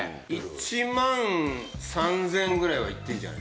１万３０００ぐらいはいってるんじゃないですか。